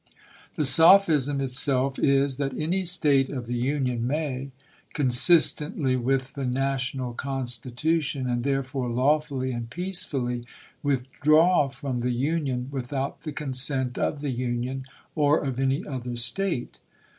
The sophism itself is, that any State of the Union may, consistently with the national Constitution, and therefore lawfully and peace fully, withdraw from the Union, without the consent of the Union, or of any other State.